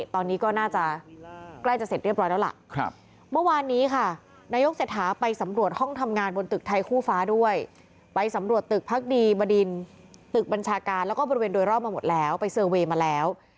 ตอนนี้ก็น่าจะใกล้จะเสร็จเรียบร้อยแล้วล่ะ